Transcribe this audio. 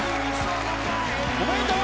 おめでとう！